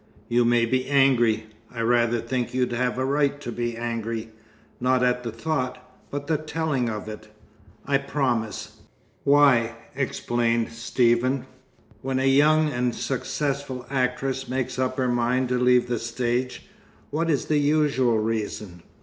"You may be angry. I rather think you'd have a right to be angry not at the thought, but the telling of it." "I promise." "Why," explained Stephen, "when a young and successful actress makes up her mind to leave the stage, what is the usual reason?"